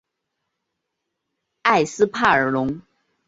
埃斯帕尔龙。